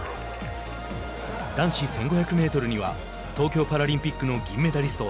男子１５００メートルには東京パラリンピックの銀メダリスト